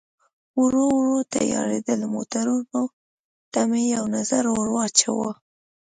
ورو ورو تیارېدل، موټرونو ته مې یو نظر ور واچاوه.